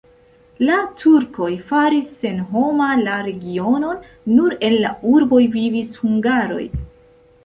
La turkoj faris senhoma la regionon, nur en la urboj vivis hungaroj.